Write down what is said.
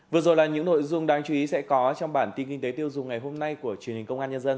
vừa rồi là những nội dung đáng chú ý sẽ có trong bản tin kinh tế tiêu dùng ngày hôm nay của truyền hình công an nhân dân